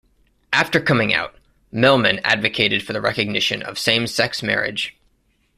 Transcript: After coming out, Mehlman advocated for the recognition of same-sex marriage.